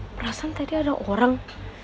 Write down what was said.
perasan tadi ada orang